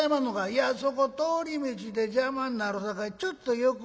「いやそこ通り道で邪魔になるさかいちょっと横へどいて」。